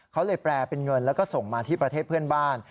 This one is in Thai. เขาเลยแปลเป็นเงินแล้วก็ส่งมาที่ประเทศเพื่อนบ้าน